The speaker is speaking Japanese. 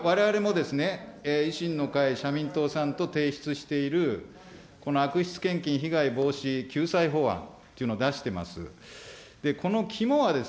そしてですね、もう１つ、これ、われわれも維新の会、社民党さんと提出している、この悪質献金被害防止救済法案というのを出してます。